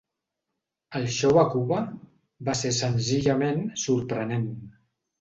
El xou a Cuba va ser senzillament sorprenent.